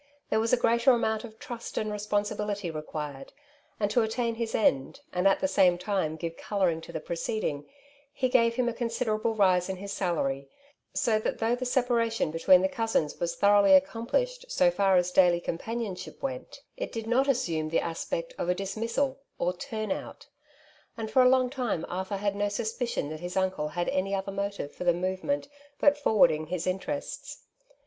There was a greater amount of trust and responsi bility required, and to attain his end^ and at the same time give colouring to the proceeding, he gave him a considerable rise in his salary; so that though the separation between the cousins was thoroughly accomplished so far as daily companion ship went, it did not assume the aspect of a dis missal or '' turn out/' and for a long time Arthur had no suspicion that his uncle had any other mo tive for the movement but forwarding his interests.